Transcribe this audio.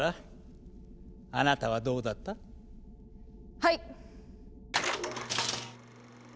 はい。